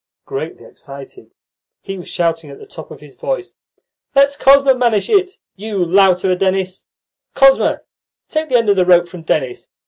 Greatly excited, he was shouting at the top of his voice: "Let Kosma manage it, you lout of a Denis! Kosma, take the end of the rope from Denis!